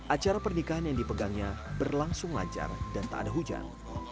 acara pernikahan yang dipegangnya berlangsung lancar dan tak ada hujan